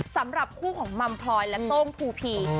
สำหรับคู่ของมัมพลอยและโต้งภูพี